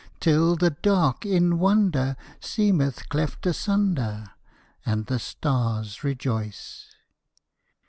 Till the dark in wonder Seemeth cleft asunder, And the stars rejoice.